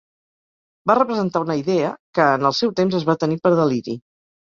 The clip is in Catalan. Va representar una idea que en el seu temps es va tenir per deliri.